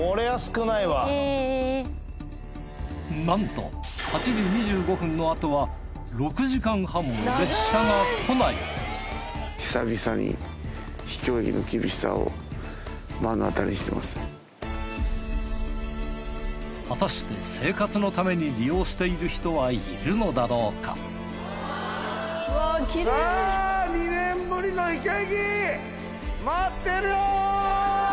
なんと８時２５分のあとは果たして生活のために利用している人はいるのだろうか寒い！